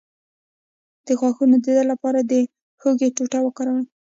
د غاښونو د درد لپاره د هوږې ټوټه وکاروئ